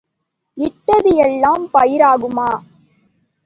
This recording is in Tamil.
இட்டது எல்லாம் பயிர் ஆகுமா?